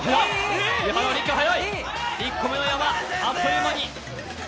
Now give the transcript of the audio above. １個目の山、あっという間に。